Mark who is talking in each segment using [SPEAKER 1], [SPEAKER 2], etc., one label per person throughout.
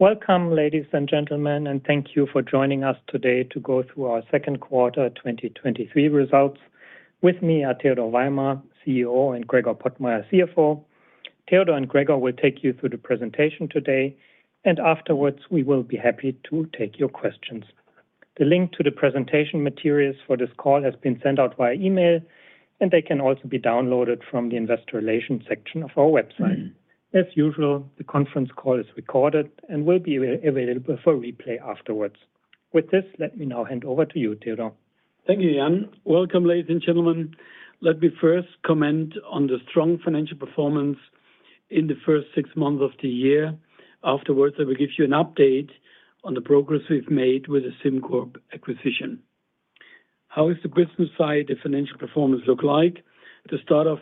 [SPEAKER 1] Welcome, ladies and gentlemen, thank you for joining us today to go through our Q2 2023 results. With me are Theodor Weimer, CEO, and Gregor Pottmeyer, CFO. Theodor and Gregor will take you through the presentation today, afterwards, we will be happy to take your questions. The link to the presentation materials for this call has been sent out via email, they can also be downloaded from the Investor Relations section of our website. As usual, the conference call is recorded and will be available for replay afterwards. With this, let me now hand over to you, Theodor.
[SPEAKER 2] Thank you, Jan. Welcome, ladies and gentlemen. Let me first comment on the strong financial performance in the first six months of the year. Afterwards, I will give you an update on the progress we've made with the SimCorp acquisition. How is the business side, the financial performance look like? The start of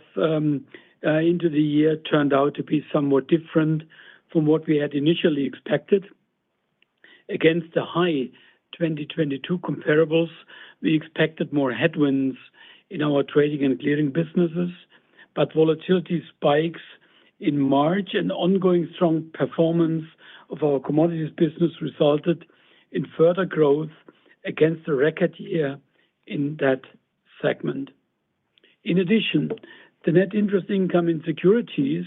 [SPEAKER 2] into the year turned out to be somewhat different from what we had initially expected. Against the high 2022 comparables, we expected more headwinds in our trading and clearing businesses, but volatility spikes in March and ongoing strong performance of our commodities business resulted in further growth against the record year in that segment. In addition, the net interest income in securities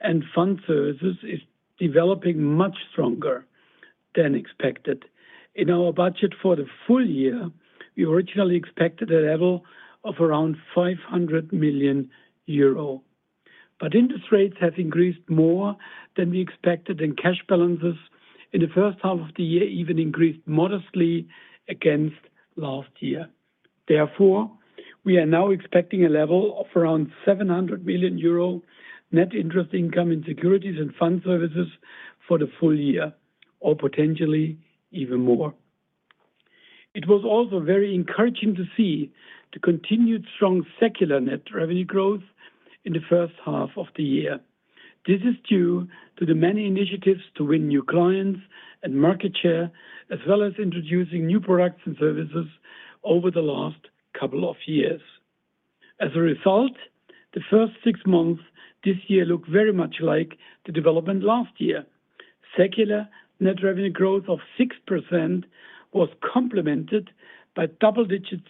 [SPEAKER 2] and fund services is developing much stronger than expected. In our budget for the full year, we originally expected a level of around 500 million euro, but interest rates have increased more than we expected, and cash balances in the first half of the year even increased modestly against last year. Therefore, we are now expecting a level of around 700 million euro net interest income in securities and fund services for the full year, or potentially even more. It was also very encouraging to see the continued strong secular net revenue growth in the first half of the year. This is due to the many initiatives to win new clients and market share, as well as introducing new products and services over the last couple of years. As a result, the first six months this year look very much like the development last year. Secular net revenue growth of 6% was complemented by double-digit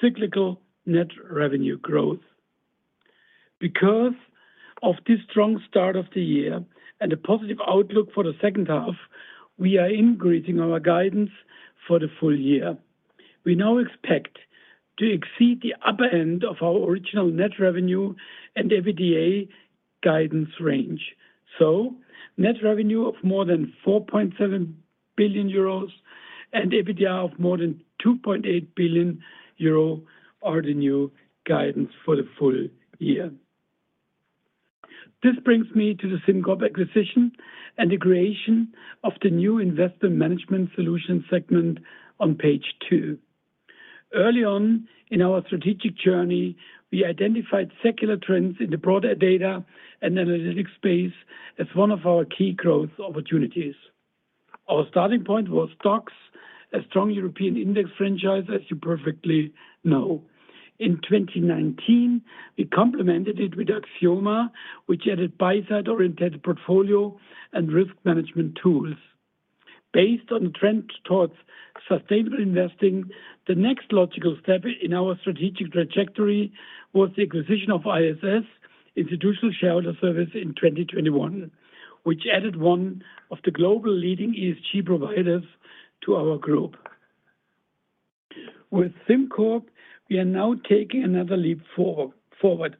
[SPEAKER 2] cyclical net revenue growth. Because of this strong start of the year and a positive outlook for the second half, we are increasing our guidance for the full year. We now expect to exceed the upper end of our original net revenue and EBITDA guidance range. Net revenue of more than 4.7 billion euros and EBITDA of more than 2.8 billion euro are the new guidance for the full year. This brings me to the SimCorp acquisition and the creation of the new investment management solution segment on page two. Early on in our strategic journey, we identified secular trends in the broader data and analytics space as one of our key growth opportunities. Our starting point was STOXX, a strong European index franchise, as you perfectly know. In 2019, we complemented it with Axioma, which added buy-side-oriented portfolio and risk management tools. Based on trend towards sustainable investing, the next logical step in our strategic trajectory was the acquisition of ISS, Institutional Shareholder Services, in 2021, which added one of the global leading ESG providers to our group. With SimCorp, we are now taking another leap forward.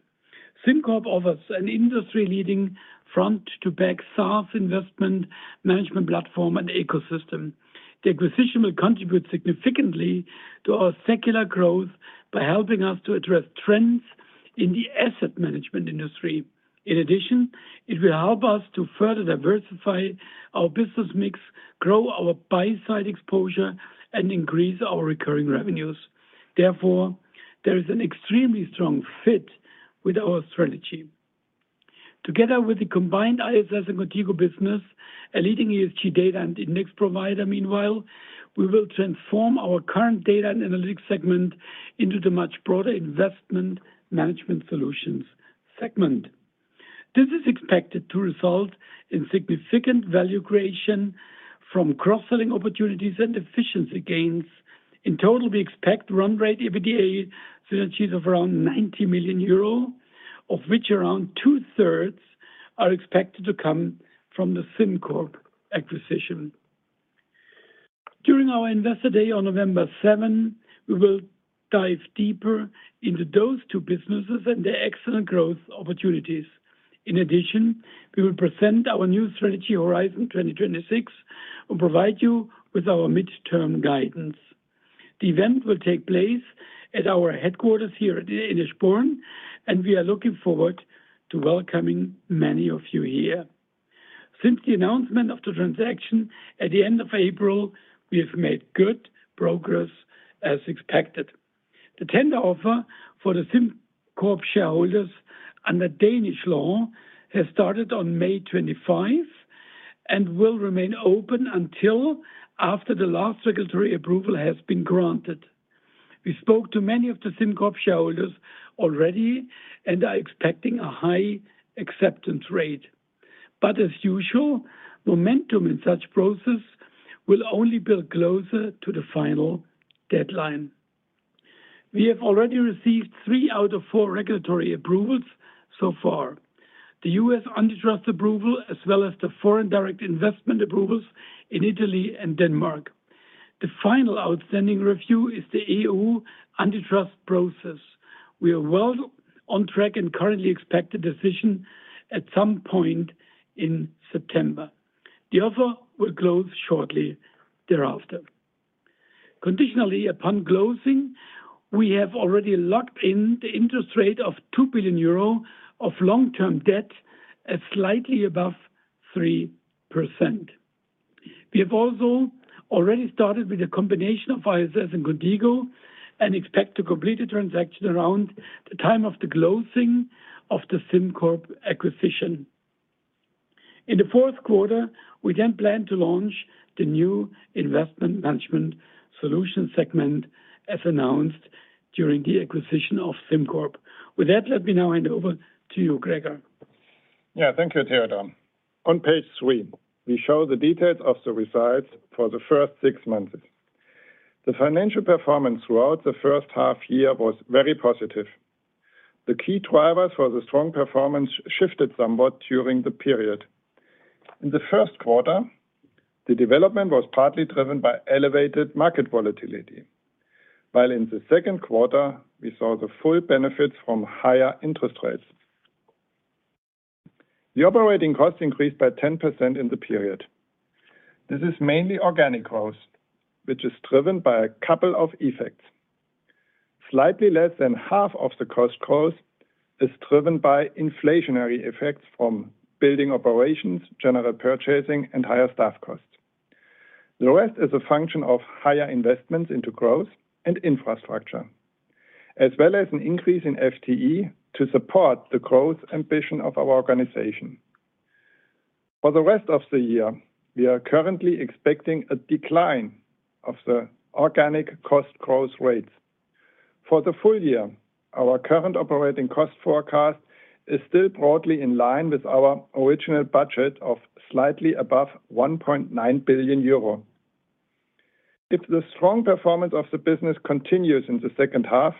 [SPEAKER 2] SimCorp offers an industry-leading front to back SaaS investment management platform and ecosystem. The acquisition will contribute significantly to our secular growth by helping us to address trends in the asset management industry. In addition, it will help us to further diversify our business mix, grow our buy-side exposure, and increase our recurring revenues. Therefore, there is an extremely strong fit with our strategy. Together with the combined ISS and Qontigo business, a leading ESG data and index provider, meanwhile, we will transform our current data and analytics segment into the much broader investment management solutions segment. This is expected to result in significant value creation from cross-selling opportunities and efficiency gains. In total, we expect run rate EBITDA synergies of around 90 million euro, of which around 2/3 are expected to come from the SimCorp acquisition. During our Investor Day on November 7, we will dive deeper into those two businesses and their excellent growth opportunities. We will present our new strategy, Horizon 2026, and provide you with our midterm guidance. The event will take place at our headquarters here at Eschborn, and we are looking forward to welcoming many of you here. Since the announcement of the transaction at the end of April, we have made good progress as expected. The tender offer for the SimCorp shareholders under Danish law has started on May 25 and will remain open until after the last regulatory approval has been granted. We spoke to many of the SimCorp shareholders already and are expecting a high acceptance rate. As usual, momentum in such process will only build closer to the final deadline. We have already received three out of four regulatory approvals so far: the US antitrust approval, as well as the foreign direct investment approvals in Italy and Denmark. The final outstanding review is the EU antitrust process. We are well on track and currently expect a decision at some point in September. The offer will close shortly thereafter. Conditionally, upon closing, we have already locked in the interest rate of 2 billion euro of long-term debt at slightly above 3%. We have also already started with a combination of ISS and Qontigo, and expect to complete the transaction around the time of the closing of the SimCorp acquisition. In the Q4, we plan to launch the new investment management solution segment, as announced during the acquisition of SimCorp. With that, let me now hand over to you, Gregor.
[SPEAKER 3] Thank you, Theodor. On page three, we show the details of the results for the first six months. The financial performance throughout the first half year was very positive. The key drivers for the strong performance shifted somewhat during the period. In the Q1, the development was partly driven by elevated market volatility, while in the Q2, we saw the full benefits from higher interest rates. The operating costs increased by 10% in the period. This is mainly organic growth, which is driven by a couple of effects. Slightly less than half of the cost growth is driven by inflationary effects from building operations, general purchasing, and higher staff costs. The rest is a function of higher investments into growth and infrastructure, as well as an increase in FTE to support the growth ambition of our organization. For the rest of the year, we are currently expecting a decline of the organic cost growth rates. For the full year, our current operating cost forecast is still broadly in line with our original budget of slightly above 1.9 billion euro. If the strong performance of the business continues in the second half,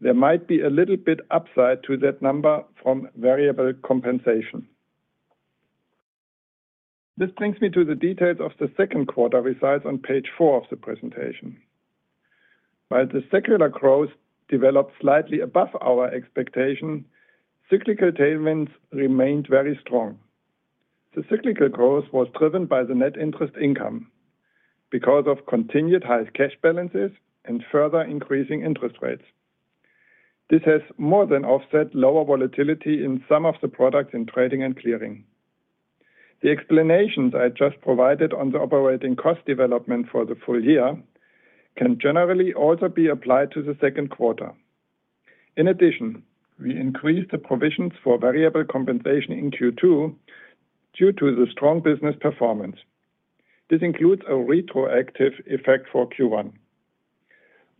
[SPEAKER 3] there might be a little bit upside to that number from variable compensation. This brings me to the details of the Q2 results on page four of the presentation. The secular growth developed slightly above our expectation, cyclical tailwinds remained very strong. The cyclical growth was driven by the net interest income because of continued high cash balances and further increasing interest rates. This has more than offset lower volatility in some of the products in trading and clearing. The explanations I just provided on the operating cost development for the full year can generally also be applied to the Q2. We increased the provisions for variable compensation in Q2 due to the strong business performance. This includes a retroactive effect for Q1.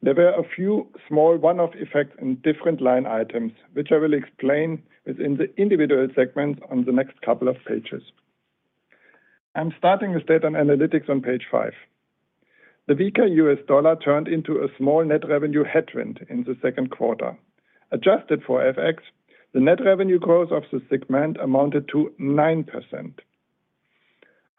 [SPEAKER 3] A few small one-off effects in different line items, which I will explain within the individual segments on the next couple of pages. I'm starting with data and analytics on page five. The weaker US dollar turned into a small net revenue headwind in the Q2. Adjusted for FX, the net revenue growth of the segment amounted to 9%.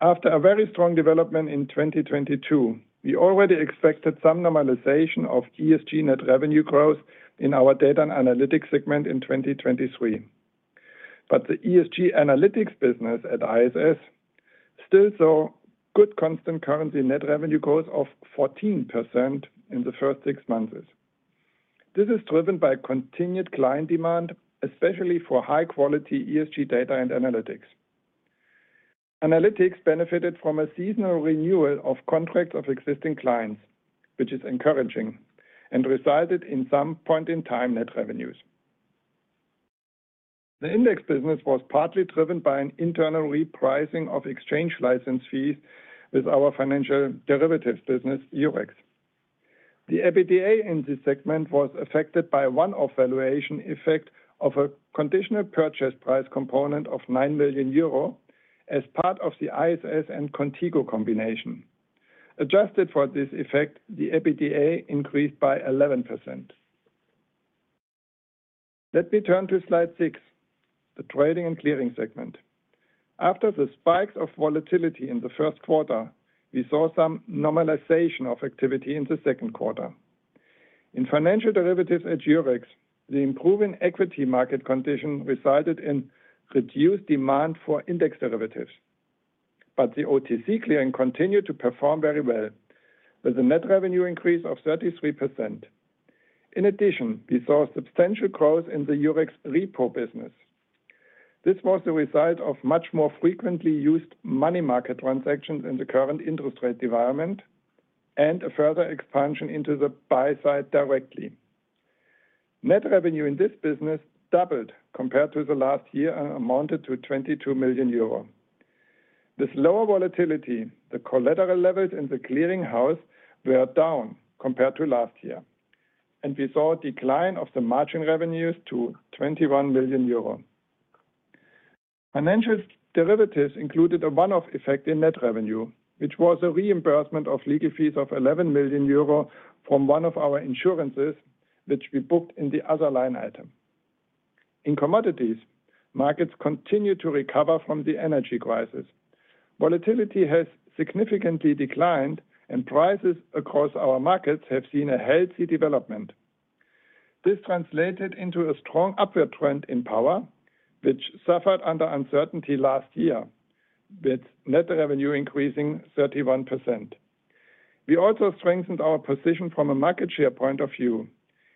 [SPEAKER 3] After a very strong development in 2022, we already expected some normalization of ESG net revenue growth in our data and analytics segment in 2023. The ESG analytics business at ISS still saw good constant currency net revenue growth of 14% in the first six months. This is driven by continued client demand, especially for high-quality ESG data and analytics. Analytics benefited from a seasonal renewal of contracts of existing clients, which is encouraging, and resulted in some point-in-time net revenues. The index business was partly driven by an internal repricing of exchange license fees with our financial derivatives business, Eurex. The EBITDA in this segment was affected by a one-off valuation effect of a conditional purchase price component of 9 million euro as part of the ISS and Qontigo combination. Adjusted for this effect, the EBITDA increased by 11%. Let me turn to slide six, the trading and clearing segment. After the spikes of volatility in the first quarter, we saw some normalization of activity in the Q2. In financial derivatives at Eurex, the improving equity market condition resulted in reduced demand for index derivatives, but the OTC clearing continued to perform very well, with a net revenue increase of 33%. In addition, we saw substantial growth in the Eurex repo business. This was the result of much more frequently used money market transactions in the current interest rate environment and a further expansion into the buy side directly. Net revenue in this business doubled compared to the last year and amounted to 22 million euro. This lower volatility, the collateral levels in the clearing house were down compared to last year, and we saw a decline of the margin revenues to 21 million euro. Financial derivatives included a one-off effect in net revenue, which was a reimbursement of legal fees of 11 million euro from one of our insurances, which we booked in the other line item. In commodities, markets continued to recover from the energy crisis. Volatility has significantly declined, and prices across our markets have seen a healthy development. This translated into a strong upward trend in power, which suffered under uncertainty last year, with net revenue increasing 31%. We also strengthened our position from a market share point of view.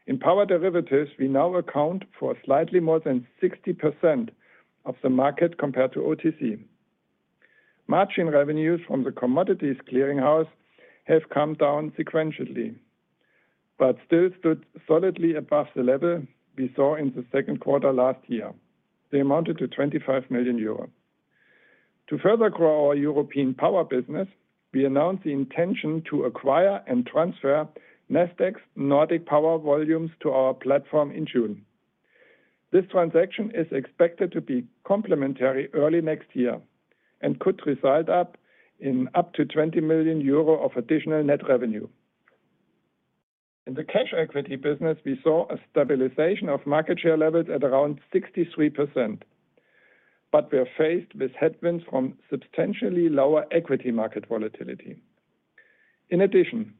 [SPEAKER 3] In power derivatives, we now account for slightly more than 60% of the market compared to OTC. Margin revenues from the commodities clearinghouse have come down sequentially, but still stood solidly above the level we saw in the Q2 last year. They amounted to 25 million euros. To further grow our European power business, we announced the intention to acquire and transfer Nasdaq's Nordic power volumes to our platform in June. This transaction is expected to be complementary early next year and could result up in up to 20 million euro of additional net revenue. In the cash equity business, we saw a stabilization of market share levels at around 63%, but we are faced with headwinds from substantially lower equity market volatility. In addition,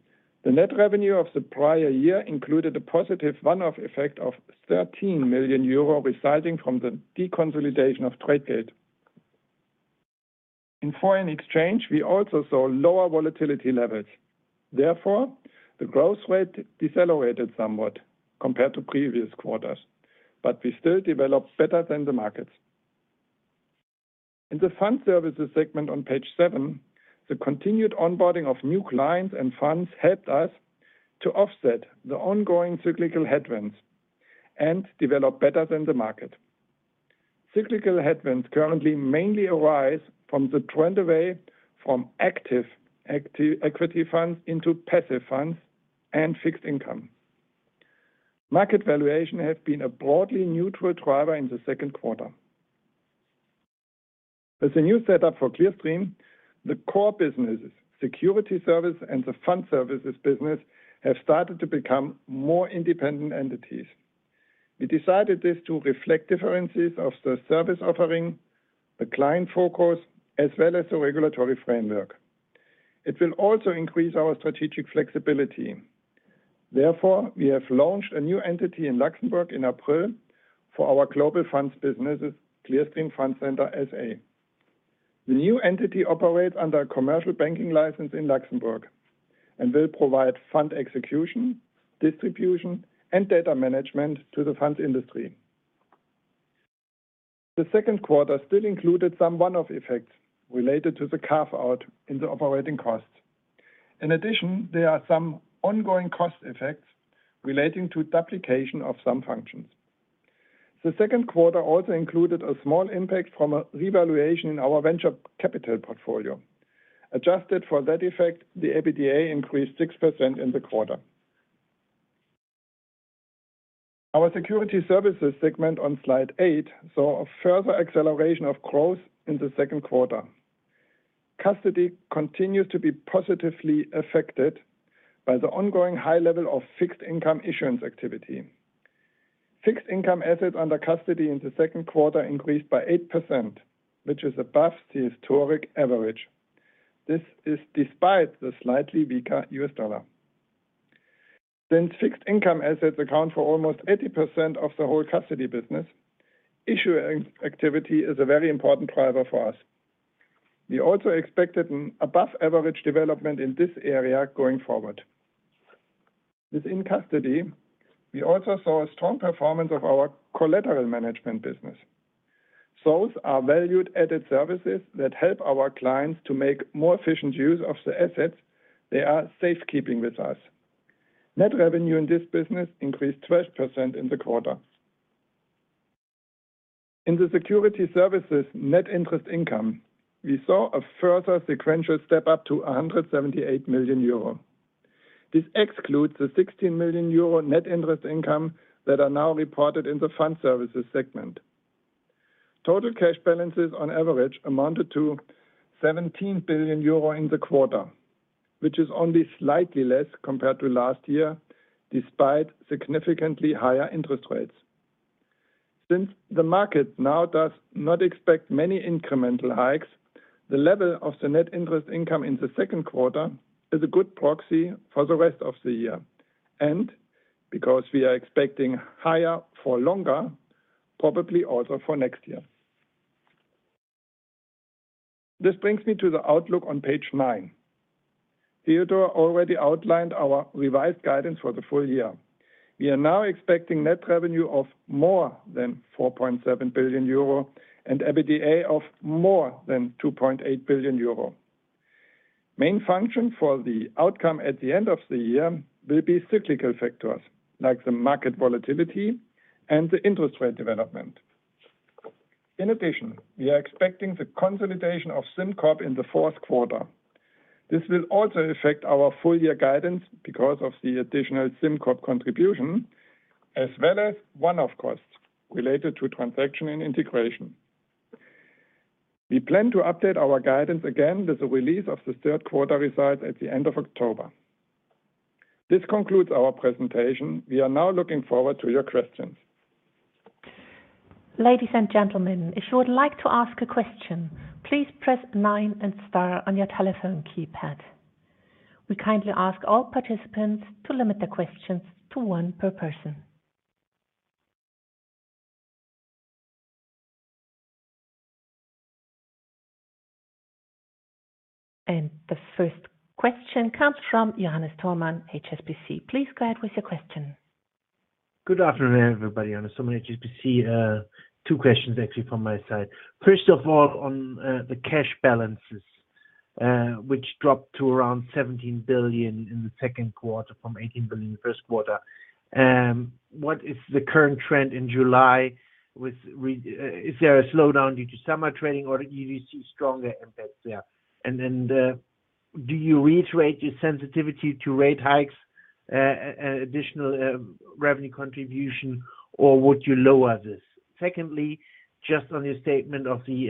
[SPEAKER 3] the net revenue of the prior year included a positive one-off effect of 13 million euro, resulting from the deconsolidation of Tradegate. In foreign exchange, we also saw lower volatility levels. Therefore, the growth rate decelerated somewhat compared to previous quarters, but we still developed better than the markets. In the fund services segment on page seven, the continued onboarding of new clients and funds helped us to offset the ongoing cyclical headwinds and develop better than the market. Cyclical headwinds currently mainly arise from the trend away from active equity funds into passive funds and fixed income. Market valuation has been a broadly neutral driver in the Q2. With the new setup for Clearstream, the core businesses, security service, and the fund services business, have started to become more independent entities. We decided this to reflect differences of the service offering, the client focus, as well as the regulatory framework. It will also increase our strategic flexibility. Therefore, we have launched a new entity in Luxembourg in April for our global funds businesses, Clearstream Fund Centre S.A.. The new entity operates under a commercial banking license in Luxembourg and will provide fund execution, distribution, and data management to the fund industry. The Q2 still included some one-off effects related to the carve-out in the operating costs. There are some ongoing cost effects relating to duplication of some functions. The Q2 also included a small impact from a revaluation in our venture capital portfolio. Adjusted for that effect, the EBITDA increased 6% in the quarter. Our security services segment on slide eight saw a further acceleration of growth in the Q2. Custody continues to be positively affected by the ongoing high level of fixed income issuance activity. Fixed income assets under custody in the Q2 increased by 8%, which is above the historic average. This is despite the slightly weaker US dollar. Since fixed income assets account for almost 80% of the whole custody business, issuer activity is a very important driver for us. We also expected an above-average development in this area going forward. Within custody, we also saw a strong performance of our collateral management business. Those are valued added services that help our clients to make more efficient use of the assets they are safekeeping with us. Net revenue in this business increased 12% in the quarter. In the security services net interest income, we saw a further sequential step up to 178 million euro. This excludes the 16 million euro net interest income that are now reported in the fund services segment. Total cash balances on average amounted to 17 billion euro in the quarter, which is only slightly less compared to last year, despite significantly higher interest rates. Since the market now does not expect many incremental hikes, the level of the net interest income in the Q2 is a good proxy for the rest of the year. Because we are expecting higher for longer, probably also for next year. This brings me to the outlook on page nine. Theodor already outlined our revised guidance for the full year. We are now expecting net revenue of more than 4.7 billion euro and EBITDA of more than 2.8 billion euro. Main function for the outcome at the end of the year will be cyclical factors, like the market volatility and the interest rate development. In addition, we are expecting the consolidation of SimCorp in the Q4. This will also affect our full year guidance because of the additional SimCorp contribution, as well as one-off costs related to transaction and integration. We plan to update our guidance again with the release of the third quarter results at the end of October. This concludes our presentation. We are now looking forward to your questions.
[SPEAKER 4] Ladies and gentlemen, if you would like to ask a question, please press nine and star on your telephone keypad. We kindly ask all participants to limit their questions to one per person. The first question comes from Johannes Thormann, HSBC. Please go ahead with your question.
[SPEAKER 5] Good afternoon, everybody. Johannes Thormann, HSBC. Two questions actually from my side. First of all, on the cash balances, which dropped to around 17 billion in the Q2 from 18 billion the Q1. What is the current trend in July? Is there a slowdown due to summer trading, or do you see stronger impacts there? Do you reiterate your sensitivity to rate hikes, additional revenue contribution, or would you lower this? Secondly, just on your statement of the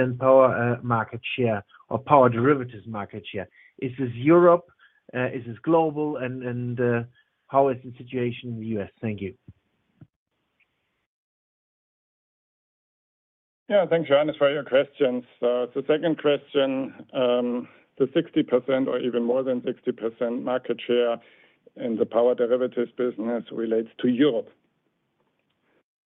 [SPEAKER 5] 60% power market share or power derivatives market share. Is this Europe? Is this global? How is the situation in the US? Thank you.
[SPEAKER 3] Yeah. Thanks, Johannes, for your questions. The second question, the 60% or even more than 60% market share in the power derivatives business relates to Europe.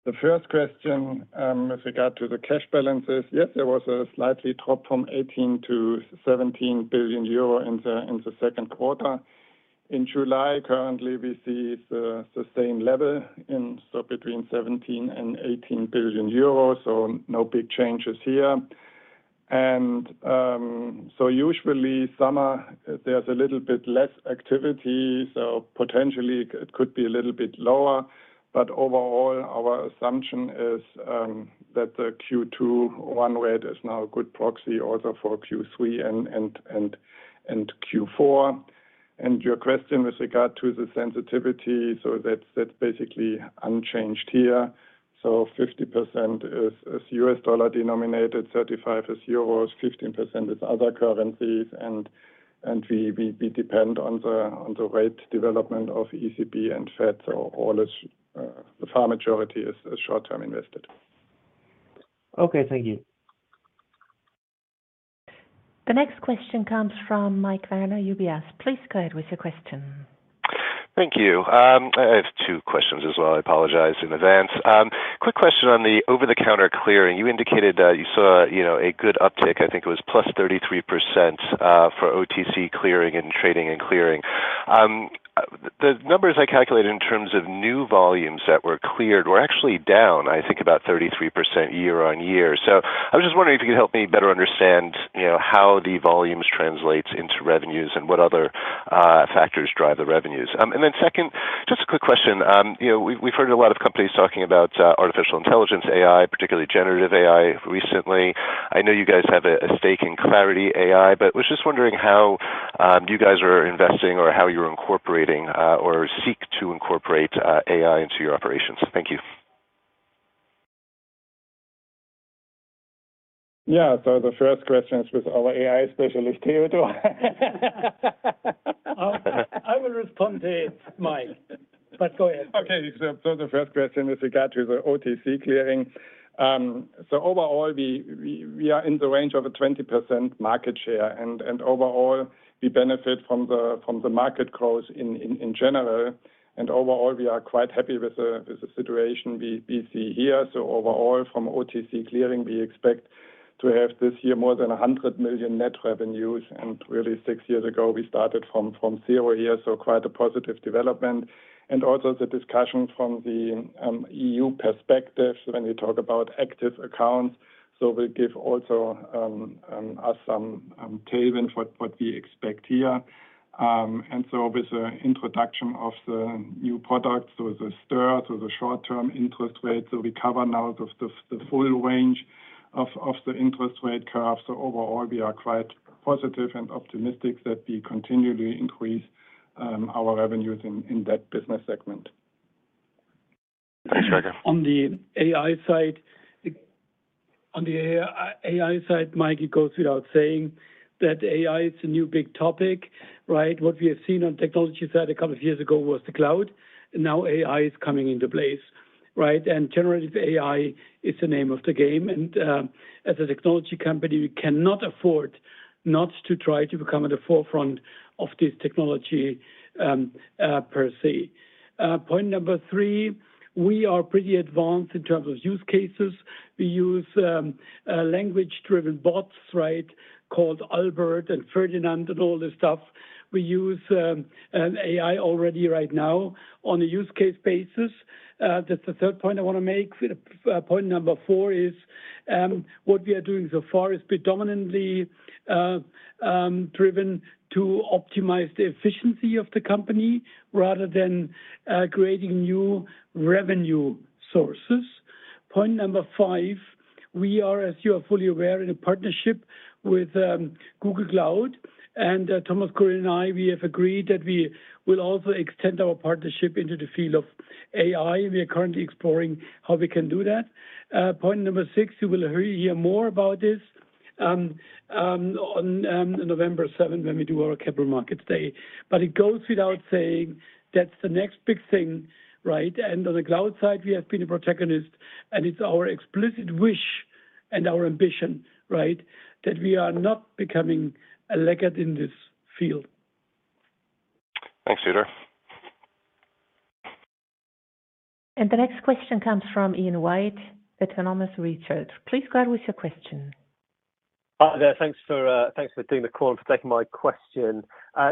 [SPEAKER 3] The first question, with regard to the cash balances, yes, there was a slightly drop from 18 billion-17 billion euro in the Q2. In July, currently, we see the same level in, between 17 billion and 18 billion euros, no big changes here. Usually summer, there's a little bit less activity, potentially it could be a little bit lower. Overall, our assumption is that the Q2 one rate is now a good proxy also for Q3 and Q4. Your question with regard to the sensitivity, that's basically unchanged here. 50% is US dollar denominated, 35% is euros, 15% is other currencies. We depend on the rate development of ECB and Fed. All is the far majority is short-term invested.
[SPEAKER 5] Okay, thank you.
[SPEAKER 4] The next question comes from Mike Werner, UBS. Please go ahead with your question.
[SPEAKER 6] Thank you. I have two questions as well. I apologize in advance. Quick question on the OTC clearing. You indicated that you saw, you know, a good uptick. I think it was +33% for OTC clearing and trading and clearing. The numbers I calculated in terms of new volumes that were cleared were actually down, I think, about 33% year-on-year. I was just wondering if you could help me better understand, you know, how the volumes translates into revenues and what other factors drive the revenues. Second, just a quick question. You know, we've heard a lot of companies talking about artificial intelligence, AI, particularly generative AI, recently. I know you guys have a stake in Clarity AI, but was just wondering how you guys are investing or how you're incorporating or seek to incorporate AI into your operations. Thank you. Yeah. The first question is with our AI specialist, Theodor.
[SPEAKER 2] I will respond to it, Mike, but go ahead. Okay. The first question with regard to the OTC clearing. Overall, we are in the range of a 20% market share, and overall, we benefit from the market growth in general, and overall, we are quite happy with the situation we see here. Overall, from OTC clearing, we expect to have this year more than 100 million net revenues. Really six years ago, we started from zero here, so quite a positive development. Also the discussion from the EU perspective when we talk about active accounts will give also us some tailwind what we expect here. With the introduction of the new products, so the STIR, so the short-term interest rates, we cover now the full range of the interest rate curve. Overall, we are quite positive and optimistic that we continually increase our revenues in that business segment.
[SPEAKER 6] Thanks, Theodor.
[SPEAKER 2] On the AI side, Mike, it goes without saying that AI is a new big topic, right? What we have seen on technology side a couple of years ago was the cloud, now AI is coming into place, right? Generative AI is the name of the game, and as a technology company, we cannot afford not to try to become at the forefront of this technology per se. Point number three, we are pretty advanced in terms of use cases. We use language-driven bots, right, called Albert and Ferdinand and all this stuff. We use AI already right now on a use case basis. That's the third point I want to make. Point number four is.... what we are doing so far is predominantly driven to optimize the efficiency of the company rather than creating new revenue sources. Point number five, we are, as you are fully aware, in a partnership with Google Cloud, and Thomas Kurian and I, we have agreed that we will also extend our partnership into the field of AI. We are currently exploring how we can do that. Point number six, you will hear more about this on November seventh when we do our Capital Markets Day. It goes without saying, that's the next big thing, right? On the cloud side, we have been a protagonist, and it's our explicit wish and our ambition, right, that we are not becoming a laggard in this field.
[SPEAKER 6] Thanks, Theodor.
[SPEAKER 4] The next question comes from Ian White, Autonomous Research. Please go ahead with your question.
[SPEAKER 7] Hi there. Thanks for doing the call and for taking my question.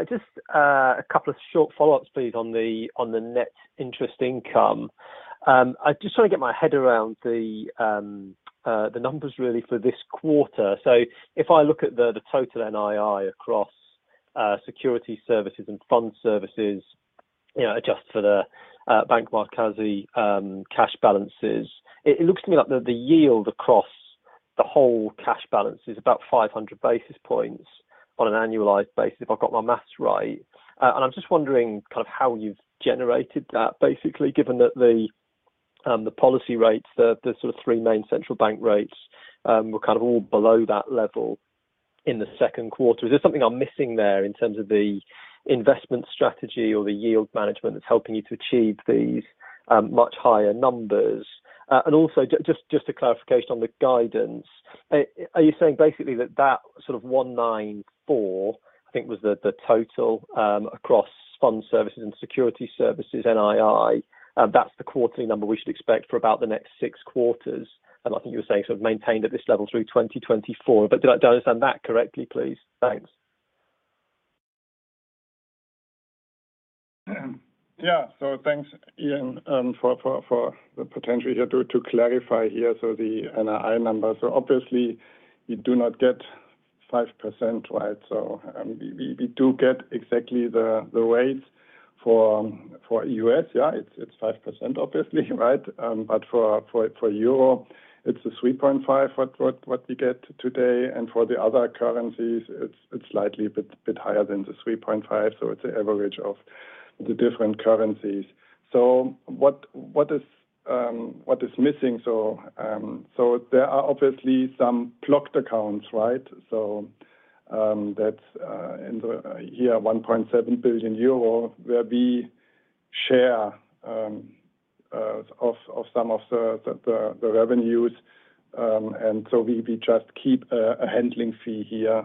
[SPEAKER 7] Just a couple of short follow-ups, please, on the net interest income. I just want to get my head around the numbers really for this quarter. If I look at the total NII across security services and fund services, you know, adjust for the Bank Markazi cash balances, it looks to me like the yield across the whole cash balance is about 500 basis points on an annualized basis, if I've got my math right. I'm just wondering kind of how you've generated that, basically, given that the policy rates, the sort of three main central bank rates, were kind of all below that level in the Q2. Is there something I'm missing there in terms of the investment strategy or the yield management that's helping you to achieve these much higher numbers? Also just a clarification on the guidance. Are you saying basically that sort of 194, I think, was the total across fund services and security services, NII, that's the quarterly number we should expect for about the next six quarters? I think you were saying sort of maintained at this level through 2024. Do I understand that correctly, please? Thanks.
[SPEAKER 3] Yeah. Thanks, Ian, for the potential here to clarify here, the NII number. Obviously, you do not get 5%, right? We do get exactly the rate for U.S., yeah, it's 5%, obviously, right? For EUR, it's a 3.5 what we get today. For the other currencies, it's slightly a bit higher than the 3.5, it's an average of the different currencies. What is missing? There are obviously some blocked accounts, right? That's in the year, 1.7 billion euro, where we share of some of the revenues. We just keep a handling fee here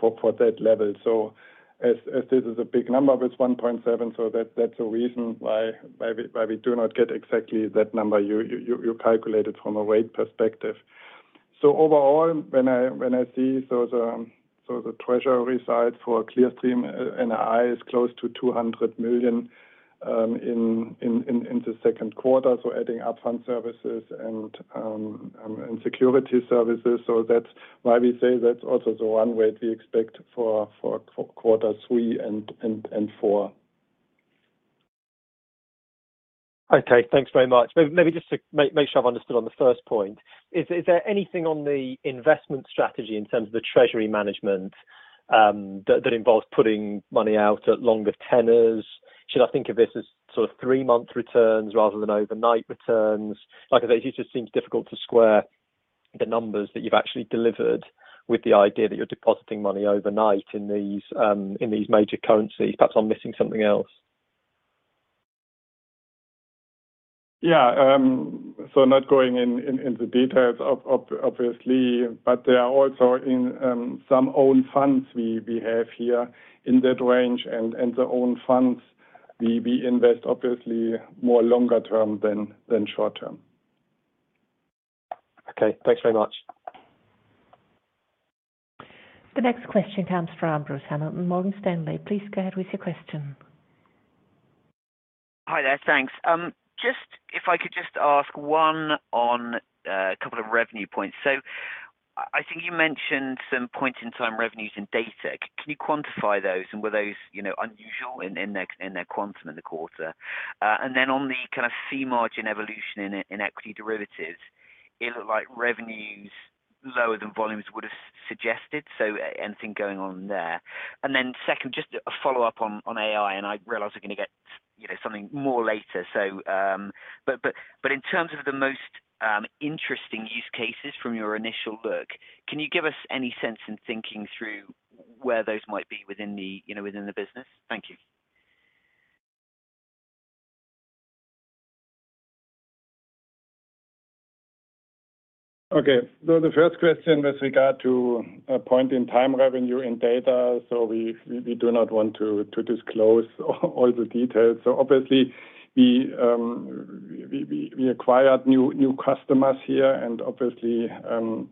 [SPEAKER 3] for that level. As this is a big number, it's 1.7, so that's a reason why we do not get exactly that number you calculated from a rate perspective. Overall, when I see the treasury side for Clearstream NII is close to 200 million in the Q2, so adding up front services and security services. That's why we say that's also the runway we expect for Q3 and Q4
[SPEAKER 7] Okay. Thanks very much. Maybe just to make sure I've understood on the first point. Is there anything on the investment strategy in terms of the treasury management that involves putting money out at longer tenors? Should I think of this as sort of three month returns rather than overnight returns? Like I said, it just seems difficult to square the numbers that you've actually delivered with the idea that you're depositing money overnight in these major currencies. Perhaps I'm missing something else.
[SPEAKER 3] Yeah. not going in the details of obviously, but there are also in some own funds we have here in that range, and the own funds, we invest obviously more longer term than short term.
[SPEAKER 7] Okay. Thanks very much.
[SPEAKER 4] The next question comes from Bruce Hamilton, Morgan Stanley. Please go ahead with your question.
[SPEAKER 8] Hi there, thanks. Just if I could just ask one on a couple of revenue points. I think you mentioned some point-in-time revenues and data. Can you quantify those, and were those, you know, unusual in their quantum in the quarter? Then on the kind of C margin evolution in equity derivatives, it looked like revenues lower than volumes would have suggested. Anything going on there? Then second, just a follow-up on AI, and I realize we're going to get, you know, something more later. But in terms of the most interesting use cases from your initial look, can you give us any sense in thinking through where those might be within the, you know, business? Thank you.
[SPEAKER 3] The first question with regard to point-in-time revenue and data. We do not want to disclose all the details. Obviously, we acquired new customers here, and obviously,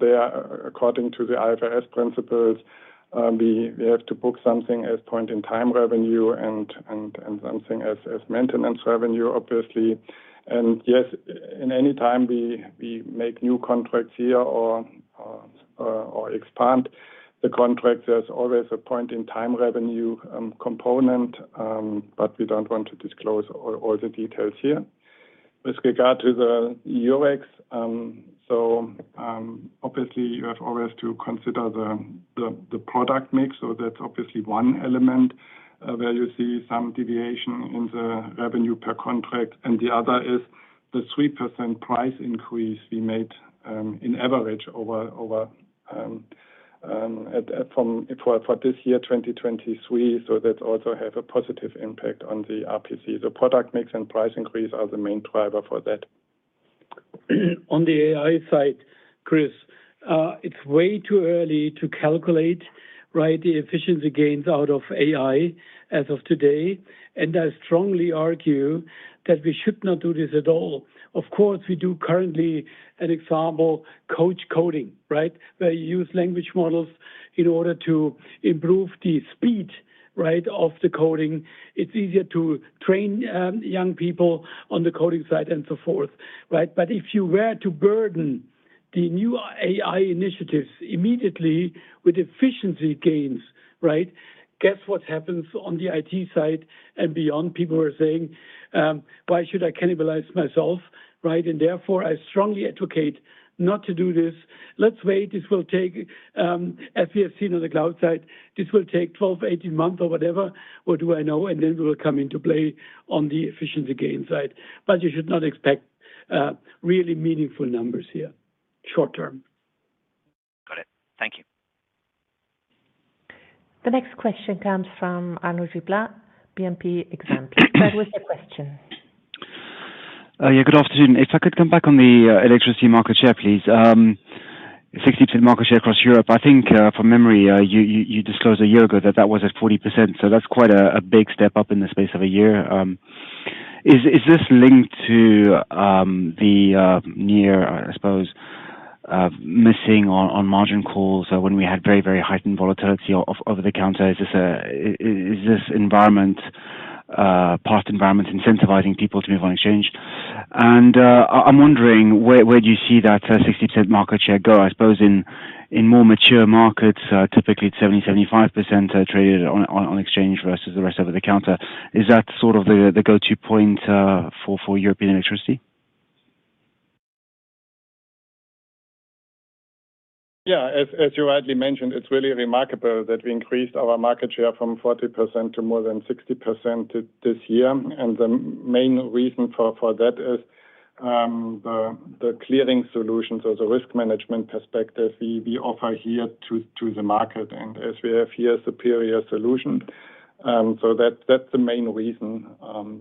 [SPEAKER 3] they are according to the IFRS principles, we have to book something as point-in-time revenue and something as maintenance revenue, obviously. Yes, in any time, we make new contracts here or expand the contract. There's always a point in time revenue component, but we don't want to disclose all the details here. With regard to the Eurex, obviously, you have always to consider the, the product mix, so that's obviously one element, where you see some deviation in the revenue per contract, and the other is the 3% price increase we made in average for this year, 2023. That also have a positive impact on the RPC. The product mix and price increase are the main driver for that.
[SPEAKER 2] On the AI side, Chris, it's way too early to calculate, right, the efficiency gains out of AI as of today, and I strongly argue that we should not do this at all. Of course, we do currently, an example, coach coding, right? Where you use language models in order to improve the speed, right, of the coding. It's easier to train young people on the coding side and so forth, right? If you were to burden the new AI initiatives immediately with efficiency gains, right, guess what happens on the IT side and beyond? People are saying, "Why should I cannibalize myself?" Right? Therefore, I strongly advocate not to do this. Let's wait. This will take, as we have seen on the cloud side, this will take 12 to 18 months or whatever, what do I know, and then will come into play on the efficiency gain side. You should not expect really meaningful numbers here short term.
[SPEAKER 8] Got it. Thank you.
[SPEAKER 4] The next question comes from Arnaud Giblat, BNP Exane. Go with the question.
[SPEAKER 9] Yeah, good afternoon. If I could come back on the electricity market share, please. 60% market share across Europe. I think, from memory, you disclosed a year ago that that was at 40%, so that's quite a big step up in the space of a year. Is this linked to the near, I suppose, missing on margin calls when we had very heightened volatility of the counter? Is this environment, part environment incentivizing people to move on exchange? I'm wondering, where do you see that 60% market share go? I suppose in more mature markets, typically it's 70%-75% traded on exchange versus the rest over the counter. Is that sort of the go-to point for European electricity?
[SPEAKER 3] Yeah. As you rightly mentioned, it's really remarkable that we increased our market share from 40% to more than 60% this year. The main reason for that is the clearing solutions or the risk management perspective we offer here to the market, and as we have here, superior solution. That's the main reason,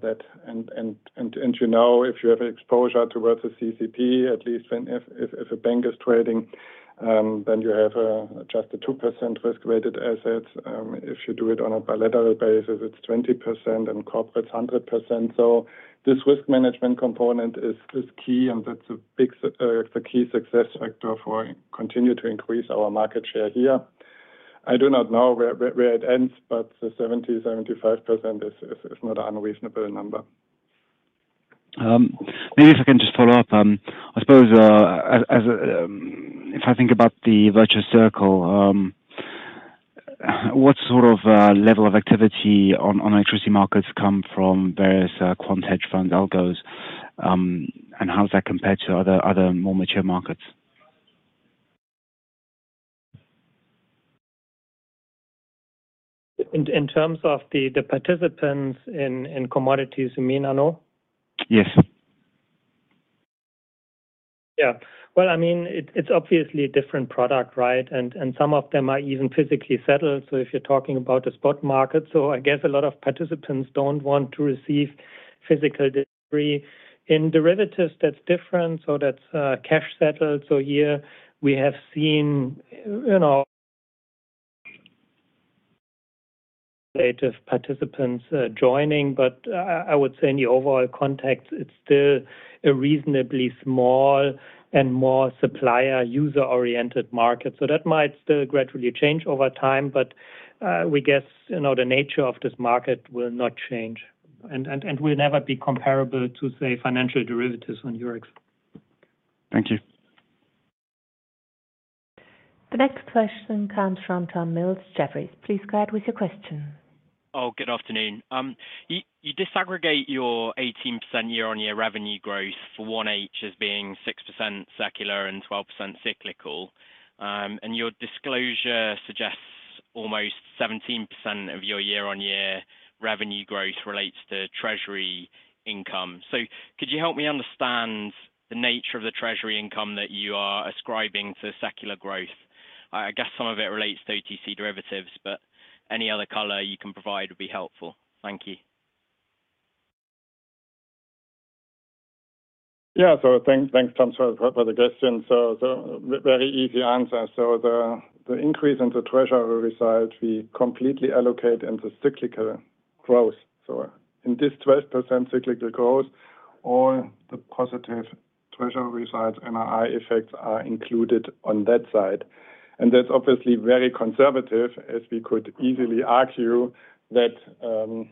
[SPEAKER 3] that and you know, if you have exposure towards a CCP, at least when if a bank is trading, then you have just a 2% risk-weighted assets. If you do it on a bilateral basis, it's 20%, and corporate's 100%. This risk management component is key, and that's a big, the key success factor for continue to increase our market share here. I do not know where it ends, but the 70%-75% is not unreasonable number.
[SPEAKER 9] Maybe if I can just follow up. I suppose, as, if I think about the virtuous circle, what sort of level of activity on electricity markets come from various quant hedge funds, algos? How does that compare to other more mature markets?
[SPEAKER 2] In terms of the participants in commodities, you mean, Arnaud?
[SPEAKER 9] Yes.
[SPEAKER 2] Yeah. Well, I mean, it's obviously a different product, right? And some of them are even physically settled, so if you're talking about the spot market. I guess a lot of participants don't want to receive physical delivery. In derivatives, that's different, so that's cash settled. Here we have seen, you know, native participants joining, but I would say in the overall context, it's still a reasonably small and more supplier-user-oriented market. That might still gradually change over time, but we guess, you know, the nature of this market will not change. And will never be comparable to, say, financial derivatives on Eurex.
[SPEAKER 9] Thank you.
[SPEAKER 4] The next question comes from Tom Mills, Jefferies. Please go ahead with your question.
[SPEAKER 10] Good afternoon. You, you disaggregate your 18% year-on-year revenue growth for 1H as being 6% secular and 12% cyclical. Your disclosure suggests almost 17% of your year-on-year revenue growth relates to treasury income. Could you help me understand the nature of the treasury income that you are ascribing to secular growth? I guess some of it relates to OTC derivatives, but any other color you can provide would be helpful. Thank you.
[SPEAKER 3] Thanks, Tom, for the question. Very easy answer. The increase in the treasury side, we completely allocate into cyclical growth. In this 12% cyclical growth, all the positive treasury sides NII effects are included on that side. That's obviously very conservative, as we could easily argue that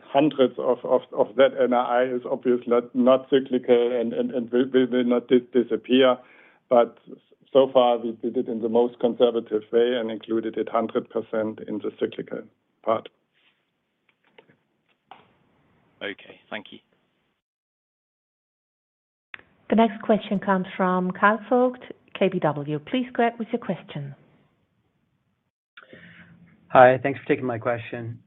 [SPEAKER 3] hundreds of that NII is obviously not cyclical and will not disappear. So far, we did it in the most conservative way and included it 100% in the cyclical part.
[SPEAKER 10] Okay, thank you.
[SPEAKER 4] The next question comes from Kyle Voigt, KBW. Please go ahead with your question.
[SPEAKER 11] Hi, thanks for taking my question.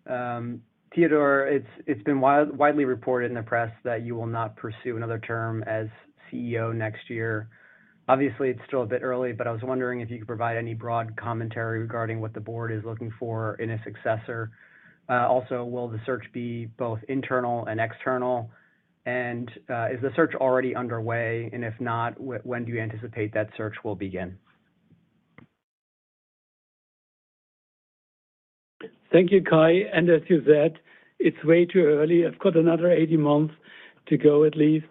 [SPEAKER 11] Theodore, it's widely reported in the press that you will not pursue another term as CEO next year. Obviously, it's still a bit early, but I was wondering if you could provide any broad commentary regarding what the board is looking for in a successor. Will the search be both internal and external? Is the search already underway? If not, when do you anticipate that search will begin?
[SPEAKER 3] Thank you, Kyle. As you said, it's way too early. I've got another 18 months to go at least,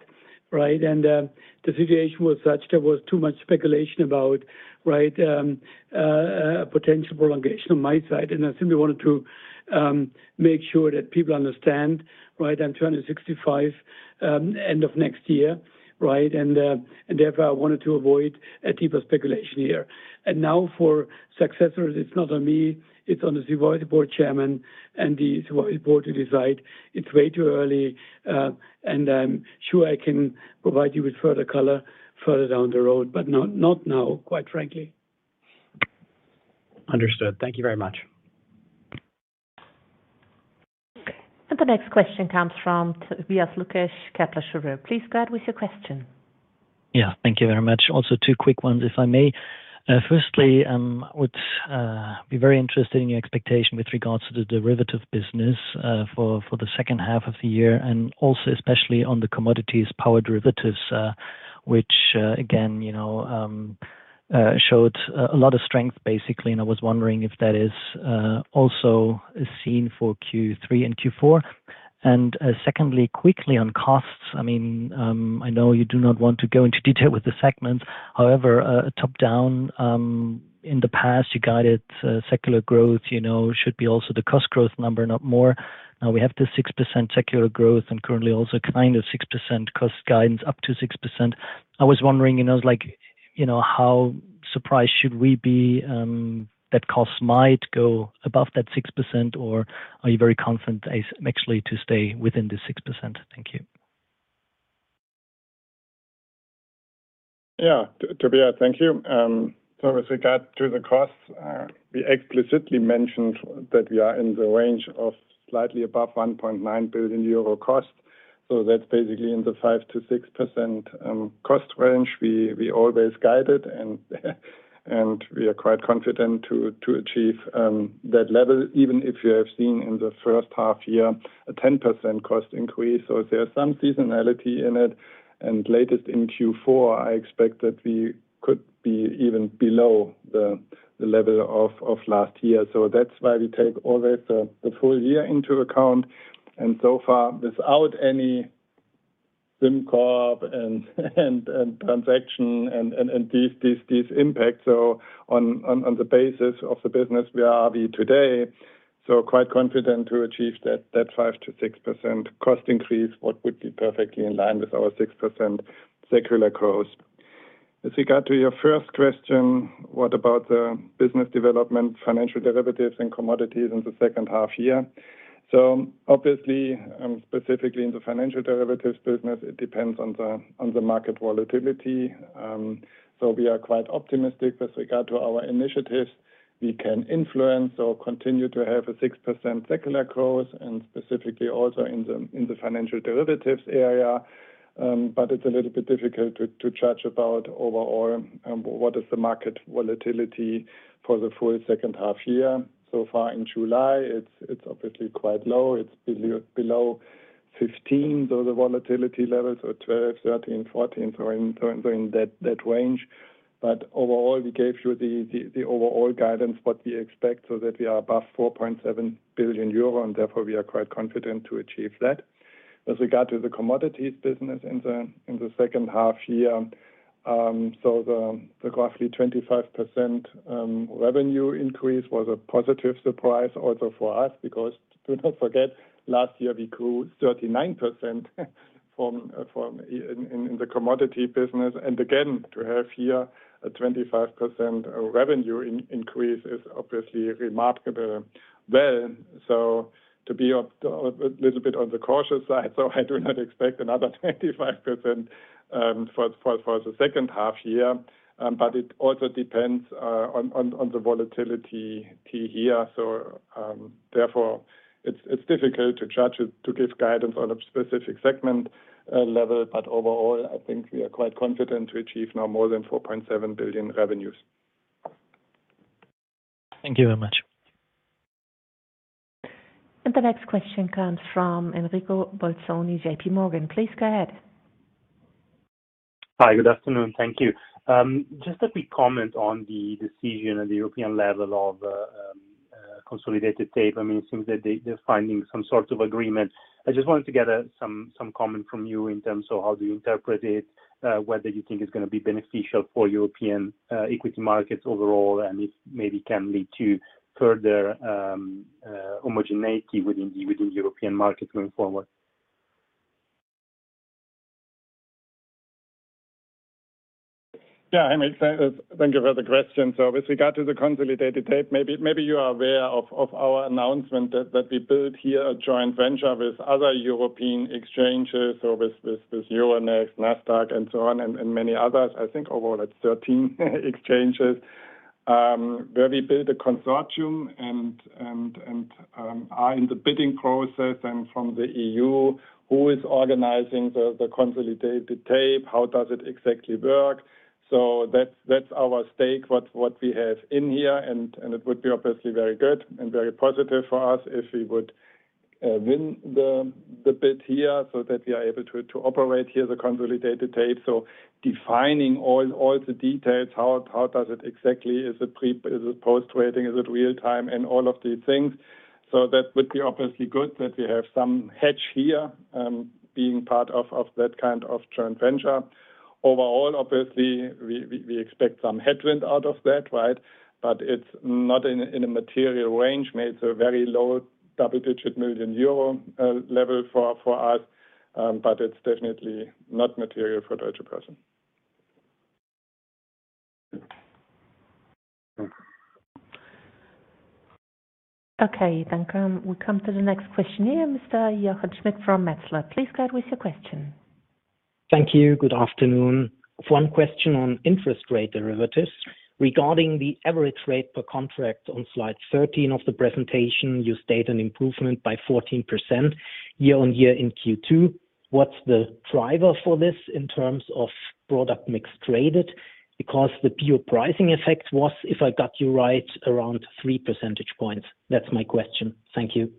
[SPEAKER 3] right? The situation was such, there was too much speculation about, right, potential prolongation on my side. I simply wanted to make sure that people understand, right? I'm turning 65, end of next year, right? Therefore, I wanted to avoid a deeper speculation here. Now for successors, it's not on me, it's on the Supervisory Board Chairman and the Supervisory Board to decide. It's way too early, I'm sure I can provide you with further color further down the road, but not now, quite frankly.
[SPEAKER 11] Understood. Thank you very much.
[SPEAKER 4] The next question comes from Tobias Lukesch, Kepler Cheuvreux. Please go ahead with your question.
[SPEAKER 12] Yeah. Thank you very much. Also, two quick ones, if I may. Firstly, I would be very interested in your expectation with regards to the derivative business for the second half of the year, and also especially on the commodities power derivatives, which again, you know, showed a lot of strength, basically. I was wondering if that is also a scene for Q3 and Q4. Secondly, quickly on costs. I mean, I know you do not want to go into detail with the segments. However, a top-down, in the past, you guided secular growth, you know, should be also the cost growth number, not more. Now, we have the 6% secular growth and currently also kind of 6% cost guidance, up to 6%. I was wondering, you know, like, you know, how surprised should we be that costs might go above that 6%, or are you very confident, actually, to stay within the 6%? Thank you.
[SPEAKER 3] Tobias, thank you. With regard to the costs, we explicitly mentioned that we are in the range of slightly above 1.9 billion euro cost. That's basically in the 5%-6% cost range. We always guided, and we are quite confident to achieve that level, even if you have seen in the first half year a 10% cost increase. There is some seasonality in it, and latest in Q4, I expect that we could be even below the level of last year. That's why we take always the full year into account. So far, without any SimCorp and transaction and these impacts, on the basis of the business where are we today, quite confident to achieve that 5%-6% cost increase, what would be perfectly in line with our 6% secular growth. As regard to your first question, what about the business development, financial derivatives, and commodities in the second half year? Obviously, specifically in the financial derivatives business, it depends on the market volatility. We are quite optimistic with regard to our initiatives. We can influence or continue to have a 6% secular growth, and specifically also in the financial derivatives area. It's a little bit difficult to judge about overall, what is the market volatility for the full second half year. So far in July, it's obviously quite low. It's below 15, though, the volatility levels, 12, 13, 14, in that range. Overall, we gave you the overall guidance, what we expect, so that we are above 4.7 billion euro, and therefore, we are quite confident to achieve that. As regards to the commodities business in the second half year, the roughly 25% revenue increase was a positive surprise also for us, because do not forget, last year, we grew 39% from in the commodity business. Again, to have here a 25% revenue increase is obviously remarkable then. To be up a little bit on the cautious side, I do not expect another 25% for the second half year, but it also depends on the volatility here. Therefore, it's difficult to judge it, to give guidance on a specific segment level, but overall, I think we are quite confident to achieve now more than 4.7 billion revenues.
[SPEAKER 12] Thank you very much.
[SPEAKER 4] The next question comes from Enrico Bolzoni, JP Morgan. Please go ahead.
[SPEAKER 13] Hi, good afternoon. Thank you. Just a quick comment on the decision at the European level of consolidated tape. I mean, it seems that they're finding some sort of agreement. I just wanted to get some comment from you in terms of how do you interpret it, whether you think it's gonna be beneficial for European equity markets overall, and if maybe can lead to further homogeneity within the, within European markets going forward?
[SPEAKER 3] Yeah, I make sense. Thank you for the question. With regard to the consolidated tape, maybe you are aware of our announcement that we built here a joint venture with other European exchanges, with Euronext, Nasdaq, and so on, and many others. I think overall, it's 13 exchanges, where we build a consortium and are in the bidding process and from the EU, who is organizing the consolidated tape, how does it exactly work? That's our stake, what we have in here, and it would be obviously very good and very positive for us if we would win the bid here so that we are able to operate here, the consolidated tape. Defining all the details, how does it exactly, is it post-trading? Is it real time? All of these things. That would be obviously good that we have some hedge here, being part of that kind of joint venture. Overall, obviously, we expect some headwind out of that, right? It's not in a material range. Maybe it's a very low double-digit million EUR level for us, but it's definitely not material for Deutsche Börse.
[SPEAKER 4] Okay, thank, we come to the next question here, Mr. Jochen Schmitt from Metzler. Please go ahead with your question.
[SPEAKER 14] Thank you. Good afternoon. One question on interest rate derivatives. Regarding the average rate per contract on slide 13 of the presentation, you state an improvement by 14% year-on-year in Q2. What's the driver for this in terms of product mix traded? The pure pricing effect was, if I got you right, around three percentage points. That's my question. Thank you.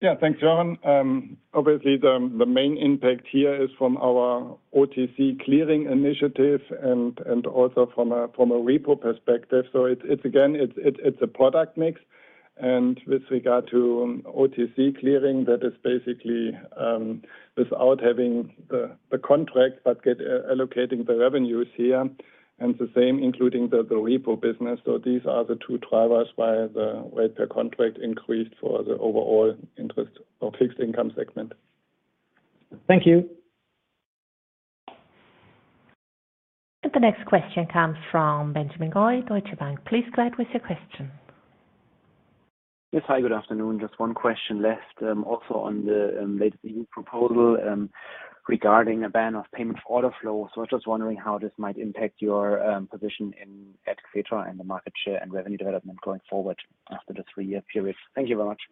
[SPEAKER 3] Yeah, thanks, Jochen. Obviously, the main impact here is from our OTC clearing initiative and also from a, from a repo perspective. It's, again, it's, it's a product mix. With regard to OTC clearing, that is basically, without having the contract, but allocating the revenues here, and the same, including the repo business. These are the two drivers why the rate per contract increased for the overall interest or fixed income segment.
[SPEAKER 14] Thank you.
[SPEAKER 4] The next question comes from Benjamin Goy, Deutsche Bank. Please go ahead with your question.
[SPEAKER 15] Yes. Hi, good afternoon. Just one question left, also on the latest EU proposal, regarding a ban of payment order flow. I was just wondering how this might impact your position in Xetra and the market share and revenue development going forward after the three period. Thank you very much.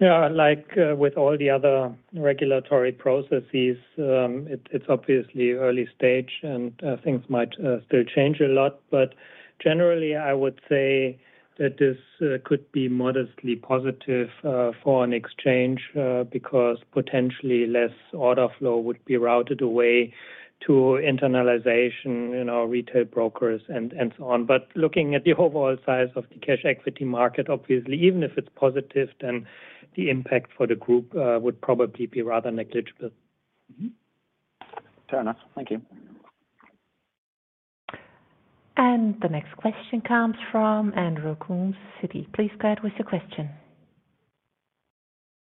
[SPEAKER 3] Yeah. Like, with all the other regulatory processes, it's obviously early stage, and things might still change a lot. Generally, I would say that this could be modestly positive for an exchange because potentially less order flow would be routed away to internalization in our retail brokers and so on. Looking at the overall size of the cash equity market, obviously, even if it's positive, then the impact for the group would probably be rather negligible.
[SPEAKER 15] Mm-hmm. Fair enough. Thank you.
[SPEAKER 4] The next question comes from Andrew Coombs, Citi. Please go ahead with your question.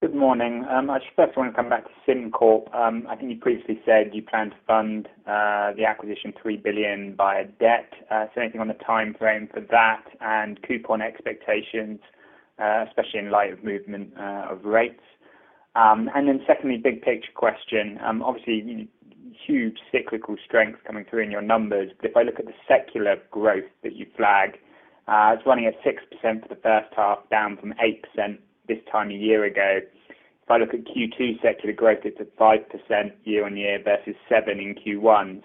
[SPEAKER 16] Good morning. I just first want to come back to SimCorp. I think you previously said you plan to fund the acquisition 3 billion via debt. Anything on the time frame for that and coupon expectations, especially in light of movement of rates? And then secondly, big picture question. Obviously, huge cyclical strength coming through in your numbers, but if I look at the secular growth that you flagged, it's running at 6% for the first half, down from 8% this time a year ago. If I look at Q2 secular growth, it's at 5% year-on-year versus 7% in Q1,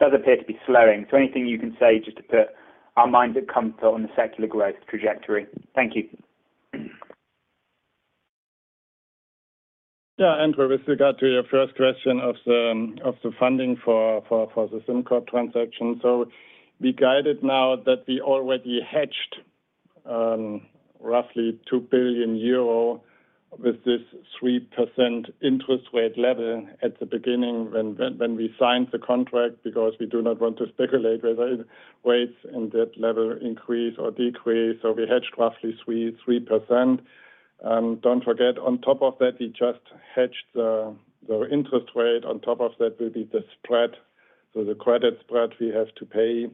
[SPEAKER 16] does appear to be slowing. Anything you can say just to put our mind at comfort on the secular growth trajectory? Thank you.
[SPEAKER 3] Yeah, Andrew, with regard to your first question of the funding for the SimCorp transaction. We guided now that we already hedged roughly 2 billion euro with this 3% interest rate level at the beginning when we signed the contract, because we do not want to speculate whether rates and debt level increase or decrease. We hedged roughly 3%. Don't forget, on top of that, we just hedged the interest rate. On top of that will be the spread, so the credit spread we have to pay,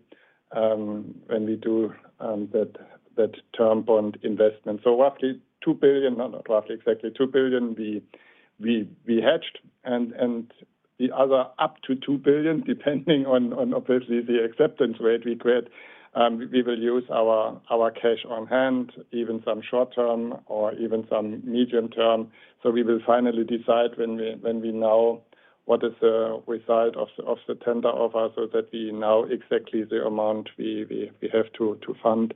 [SPEAKER 3] when we do that term bond investment. Roughly 2 billion, not roughly, exactly 2 billion, we hedged. The other up to 2 billion, depending on obviously the acceptance rate we create, we will use our cash on hand, even some short term or even some medium term. We will finally decide when we know what is the result of the tender offer, so that we know exactly the amount we have to fund.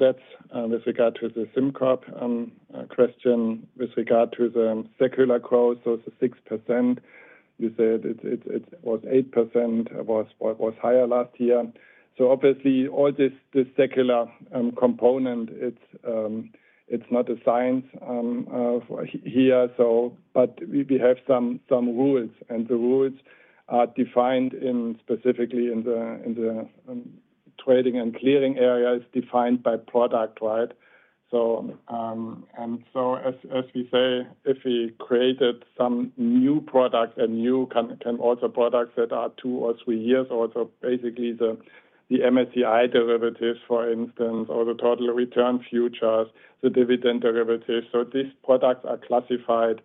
[SPEAKER 3] That's with regard to the SimCorp question. With regard to the secular growth, the 6%, you said it was 8%, was higher last year. Obviously, all this secular component, it's not a science here. We have some rules, and the rules are defined specifically in the trading and clearing areas, defined by product, right? As we say, if we created some new product, a new and also products that are two or threeyears old, basically the MSCI derivatives, for instance, or the Total Return Futures, the dividend derivatives. These products are classified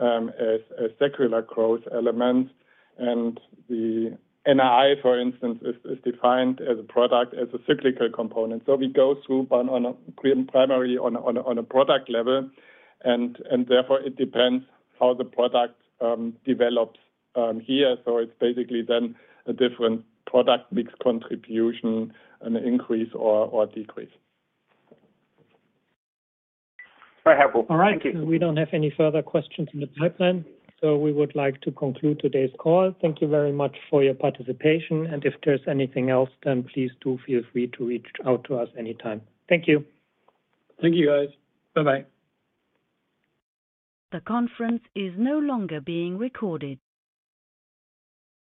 [SPEAKER 3] as secular growth elements, and the NII, for instance, is defined as a product, as a cyclical component. We go through, but on a primary, on a product level, and therefore it depends how the product develops here. It's basically then a different product mix contribution and increase or decrease.
[SPEAKER 16] I have all. Thank you.
[SPEAKER 4] All right. We don't have any further questions in the pipeline. We would like to conclude today's call. Thank you very much for your participation. If there's anything else, then please do feel free to reach out to us anytime. Thank you.
[SPEAKER 3] Thank you, guys. Bye-bye.
[SPEAKER 4] The conference is no longer being recorded.